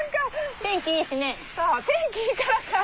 天気いいからか。